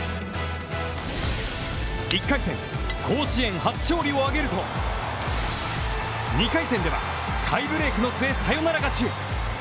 １回戦、甲子園初勝利を挙げると２回戦ではタイブレークの末サヨナラ勝ち。